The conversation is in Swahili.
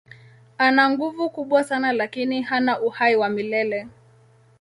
Ana nguvu kubwa sana lakini hana uhai wa milele.